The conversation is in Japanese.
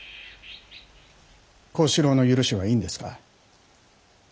小四郎の許しはいいんですか。